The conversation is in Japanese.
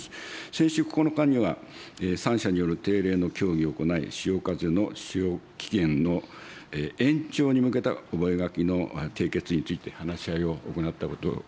先週９日には、３者による定例の協議を行い、しおかぜの使用期限の延長に向けた覚書の締結について話し合いを行ったところでございます。